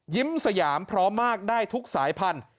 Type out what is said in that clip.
สยามพร้อมมากได้ทุกสายพันธุ